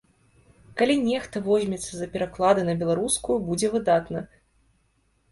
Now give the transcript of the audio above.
Калі нехта возьмецца за пераклады на беларускую, будзе выдатна.